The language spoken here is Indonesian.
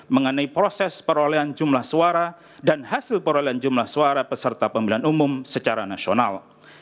mengenai proses perolehan jumlah suara dan hasil perolehan jumlah suara peserta pemilihan umum secara nasional